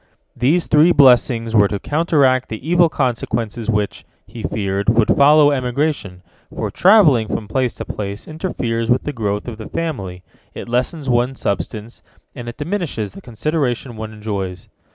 These three blessings were to counteract the evil consequences which, he feared, would follow emigration, for travelling from place to place interferes with the growth of the family, it lessens one's substance, and it diminishes the consideration one enjoys.